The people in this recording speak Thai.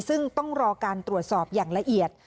ซึ่งต้องรอการตรวจสอบอย่างละเอียด